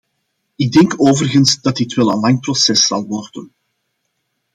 Ik denk overigens dat dit wel een lang proces zal worden.